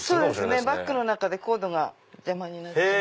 バッグの中でコードが邪魔になっちゃうんで。